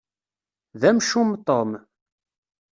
D amcum, Tom.